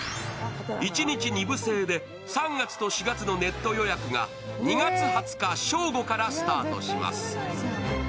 一日２部制で３月と４月のネット予約が２月２０日正午からスタートします。